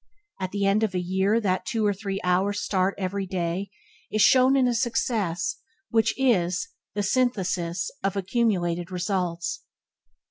At the end of a year that two or three hours start every day is shown in a success which is the synthesis of accumulated results.